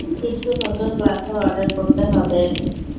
কিছু নতুন গ্লাসও অর্ডার করতে হবে।